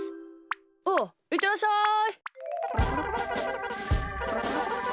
おういってらっしゃい。